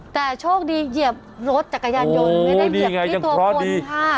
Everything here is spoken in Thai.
แต่โชคดีเหยียบรถจักรยานยนต์ไม่ได้เหยียบที่ตัวคนค่ะ